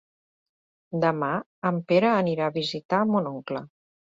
Demà en Pere anirà a visitar mon oncle.